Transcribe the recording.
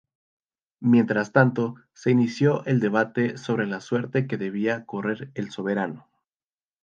Mientras tanto se inició el debate sobre la suerte que debía correr el soberano.